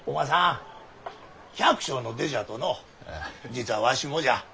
実はわしもじゃ。